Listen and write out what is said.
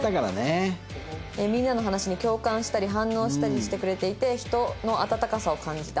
「みんなの話に共感したり反応したりしてくれていて人の温かさを感じた。